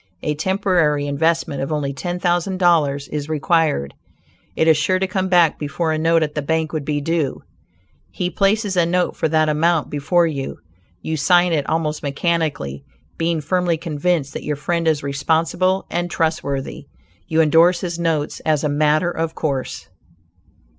A temporary investment of only $10,000 is required. It is sure to come back before a note at the bank would be due. He places a note for that amount before you. You sign it almost mechanically. Being firmly convinced that your friend is responsible and trustworthy; you indorse his notes as a "matter of course."